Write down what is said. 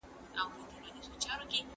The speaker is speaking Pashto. ځان ژوبلولو په وینو کې رغښتل